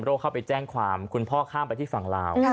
เข้าไปแจ้งความคุณพ่อข้ามไปที่ฝั่งลาว